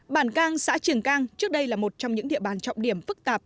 bản cang xã triềng cang trước đây là một trong những địa bàn trọng điểm phức tạp